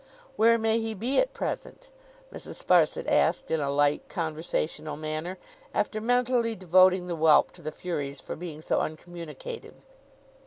'Where may he be at present?' Mrs. Sparsit asked in a light conversational manner, after mentally devoting the whelp to the Furies for being so uncommunicative.